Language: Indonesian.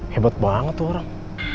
hebat banget tuh orang